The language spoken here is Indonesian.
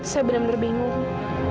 saya benar benar bingung